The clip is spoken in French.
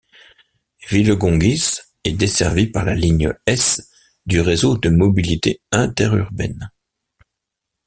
Villegongis est desservie par la ligne S du Réseau de mobilité interurbaine.